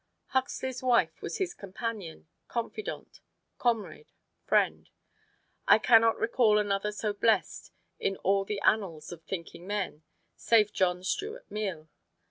Huxley's wife was his companion, confidante, comrade, friend. I can not recall another so blest, in all the annals of thinking men, save John Stuart Mill.